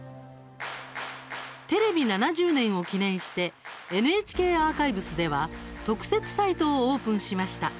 テレビ７０年を記念してＮＨＫアーカイブスでは特設サイトをオープンしました。